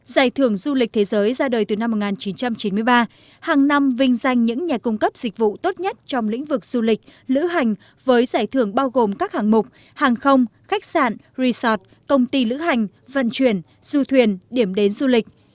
giải thưởng du lịch thế giới ra đời từ năm một nghìn chín trăm chín mươi ba hàng năm vinh danh những nhà cung cấp dịch vụ tốt nhất trong lĩnh vực du lịch lữ hành với giải thưởng bao gồm các hạng mục hàng không khách sạn resort công ty lữ hành vận chuyển du thuyền điểm đến du lịch